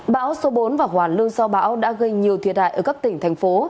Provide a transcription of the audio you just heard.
bão số bốn và hoàn lương so bão đã gây nhiều thiệt hại ở các tỉnh thành phố